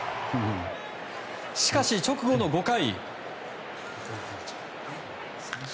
しかし、直後の５回。